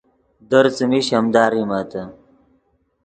در څیمی شیمدا ریمتے